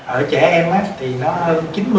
ở trẻ em thì nó hơn chín mươi chín mươi năm